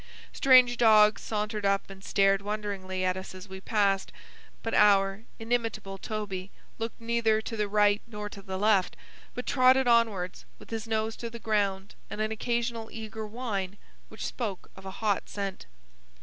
Strange dogs sauntered up and stared wonderingly at us as we passed, but our inimitable Toby looked neither to the right nor to the left, but trotted onwards with his nose to the ground and an occasional eager whine which spoke of a hot scent.